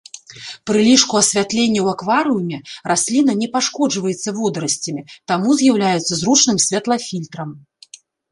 Пры лішку асвятлення ў акварыуме расліна не пашкоджваецца водарасцямі, таму з'яўляецца зручным святлафільтрам.